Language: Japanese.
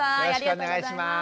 よろしくお願いします。